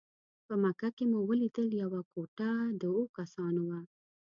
په مکه کې مو ولیدل یوه کوټه د اوو کسانو وه.